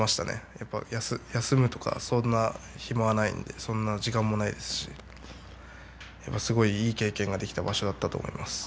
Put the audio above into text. やっぱり休むとかそんな暇はないんでそんな時間もないですしやっぱりすごいいい経験ができた場所だったと思います。